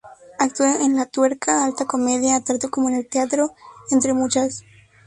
Actuó en "La Tuerca","Alta Comedia","Teatro Como En El Teatro", entre muchas.